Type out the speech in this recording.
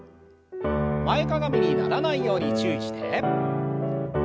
前かがみにならないように注意して。